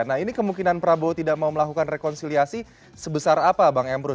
nah ini kemungkinan prabowo tidak mau melakukan rekonsiliasi sebesar apa bang emrus